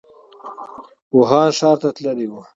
ووهان ښار ته تللی و.